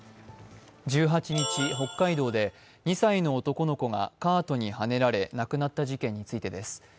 １８日、北海道で２歳の男の子がカートにはねられ、亡くなった事件についてです。